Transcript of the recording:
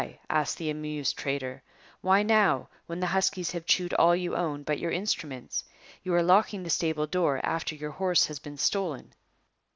asked the amused trader. 'Why, now, when the huskies have chewed all you own but your instruments? You are locking the stable door after your horse has been stolen.'